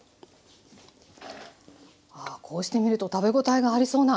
ああこうして見ると食べ応えがありそうな。